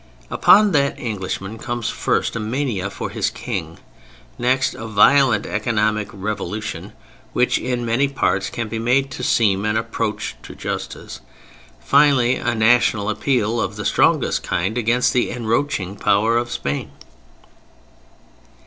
Upon that Englishman comes first, a mania for his King; next, a violent economic revolution, which, in many parts, can be made to seem an approach to justice; finally, a national appeal of the strongest kind against the encroaching power of Spain.